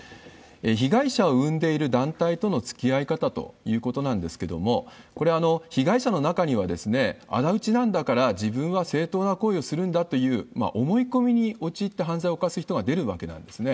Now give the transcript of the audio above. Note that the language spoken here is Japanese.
被害者を生んでいる団体とのつきあい方ということなんですけれども、これ、被害者の中には、あだ討ちなんだから、自分は正当な行為をするんだという思い込みに陥って犯罪を犯す人が出るわけなんですね。